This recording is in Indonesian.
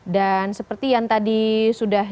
dan seperti yang tadi sudah